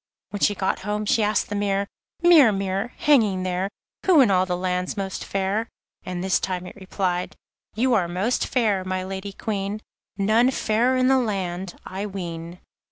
When she got home she asked the mirror: 'Mirror, mirror, hanging there, Who in all the land's most fair?' and this time it replied: 'You are most fair, my Lady Queen, None fairer in the land, I ween.